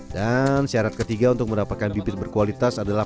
dan syarat ketiga untuk mendapatkan bibit berkualitas adalah